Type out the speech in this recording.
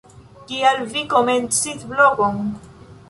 Kial vi komencis blogon?